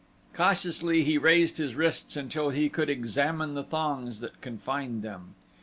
Cautiously he raised his wrists until he could examine the thongs that confined them.